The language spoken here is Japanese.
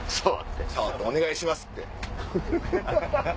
お願いします！って。